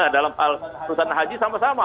dalam hal perusahaan haji sama sama